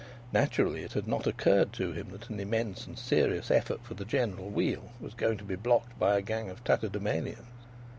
Naturally it had not occurred to him that an immense and serious effort for the general weal was going to be blocked by a gang of tatterdemalions.